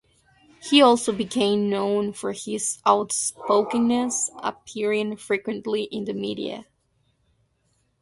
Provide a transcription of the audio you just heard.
He also became known for his outspokenness, appearing frequently in the media.